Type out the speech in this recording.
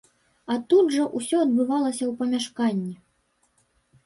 А тут жа ўсё адбывалася ў памяшканні.